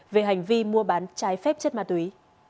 về hành vi mua bán trái phép chất ma túy